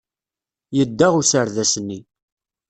Yedda userdas-nni.